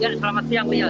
selamat siang lianita